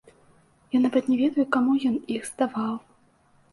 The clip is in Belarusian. Я нават не ведаю, каму ён іх здаваў.